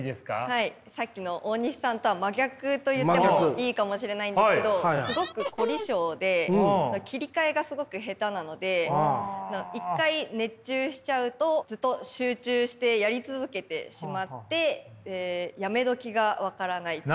はいさっきの大西さんとは真逆と言ってもいいかもしれないんですけどすごく凝り性で切り替えがすごく下手なので一回熱中しちゃうとずっと集中してやり続けてしまってやめ時が分からないっていう。